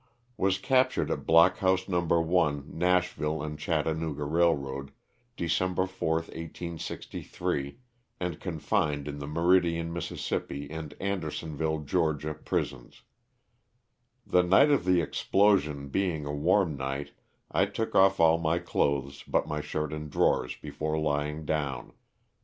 Was captured at Block House No 1, Nashville & Chattanooga Kailroad, December 4, 18G3, and confined in the Meridian, Miss., and Andersonville, Ga., prisons. The night of the explosion being a warm night I took off all my clothes but my shirt and drawers before lying down.